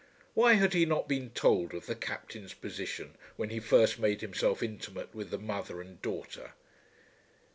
Why had he not been told of the Captain's position when he first made himself intimate with the mother and daughter?